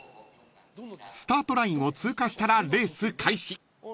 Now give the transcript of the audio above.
［スタートラインを通過したらレース開始］